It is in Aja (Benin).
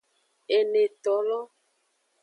Enetolo.